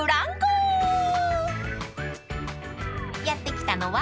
［やって来たのは］